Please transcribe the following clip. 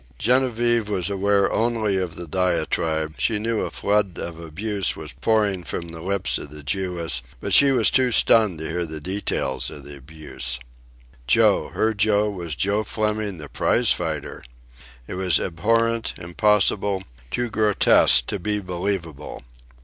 Genevieve was aware only of the diatribe; she knew a flood of abuse was pouring from the lips of the Jewess, but she was too stunned to hear the details of the abuse. Joe, her Joe, was Joe Fleming the prize fighter. It was abhorrent, impossible, too grotesque to be believable.